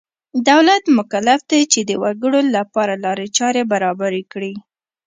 دولت مکلف دی چې د وګړو لپاره لارې چارې برابرې کړي.